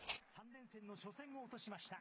３連戦の初戦を落としました。